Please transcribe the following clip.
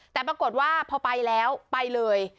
แต่ปรากฏว่าพอไปแล้วไปเลย